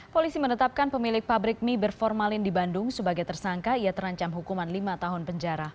polisi menetapkan pemilik pabrik mie berformalin di bandung sebagai tersangka ia terancam hukuman lima tahun penjara